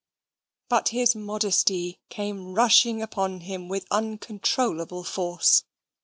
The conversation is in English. But his modesty came rushing upon him with uncontrollable force.